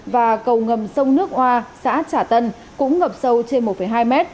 và cầu ngầm sông nước hoa xã trả tân cũng ngập sâu trên một hai m